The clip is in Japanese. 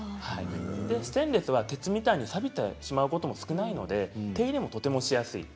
ステンレスは鉄のようにさびてしまうことも少ないのでお手入れもしやすいです。